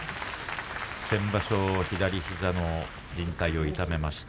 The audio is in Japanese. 先場所、左膝のじん帯を痛めました。